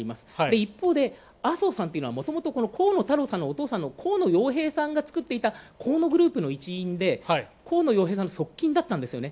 一方で、麻生さんというのはもともと河野太郎さんの、お父さんの河野洋平さんが作っていた河野グループの一員で河野洋平さんの側近だったんですよね。